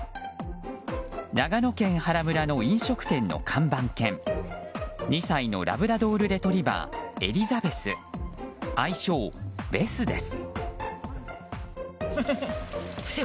長野県原村の飲食店の看板犬２歳のラブラドールレトリバーエリザベス愛称ベスです。